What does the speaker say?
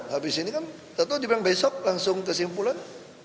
habis ini kan tak tahu diberang besok langsung kesimpulan